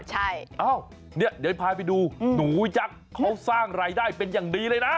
ใช่เอ้าเนี่ยเดี๋ยวพาไปดูหนูยักษ์เขาสร้างรายได้เป็นอย่างดีเลยนะ